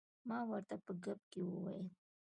ما ورته په ګپ کې وویل.